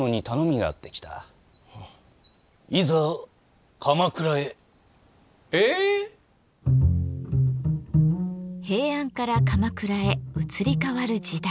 平安から鎌倉へ移り変わる時代。